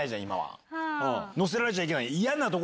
乗せられちゃいけない。